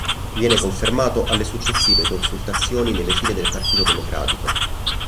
Viene confermato alle successive consultazioni nelle file del Partito Democratico.